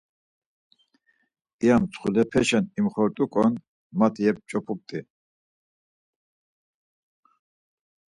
İya mtsxulepeşen imxort̆uǩon mati yep̌ç̌opup̌t̆i.